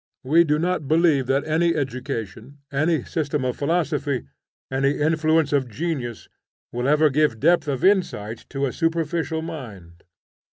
We do not believe that any education, any system of philosophy, any influence of genius, will ever give depth of insight to a superficial mind.